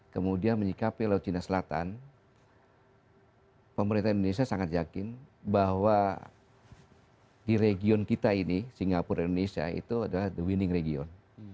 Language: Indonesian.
kemudian menyikapi laut cina selatan pemerintah indonesia sangat yakin bahwa di region kita ini singapura indonesia itu adalah the winning region